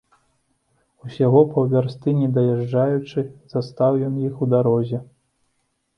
Усяго паўвярсты не даязджаючы, застаў ён іх у дарозе.